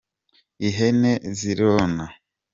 ihene zirona.